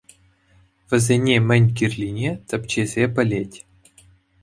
Вӗсене мӗн кирлине тӗпчесе пӗлет.